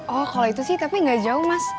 oh kalo itu sih tapi gak jauh mas